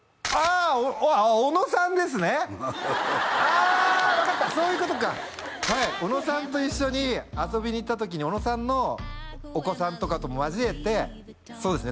あっ小野さんですねああ分かったそういうことかはい小野さんと一緒に遊びに行った時に小野さんのお子さんとかと交えてそうですね